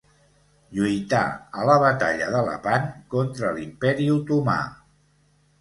Lluità a la batalla de Lepant contra l'Imperi Otomà.